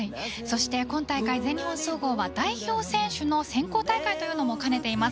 今大会、全日本総合は代表選手の選考大会というのも兼ねています。